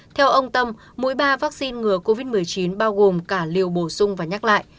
theo ông tâm mỗi ba vaccine ngừa covid một mươi chín bao gồm cả liều bổ sung và nhắc lại